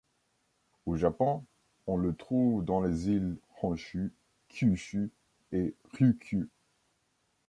Au Japon, on le trouve dans les îles Honshū, Kyūshū et Ryūkyū.